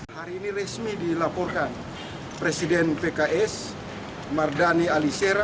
hari ini resmi dilaporkan presiden pks mardani alisera